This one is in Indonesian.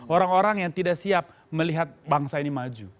orang orang yang tidak siap melihat bangsa ini maju